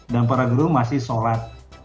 dan para guru masih sholat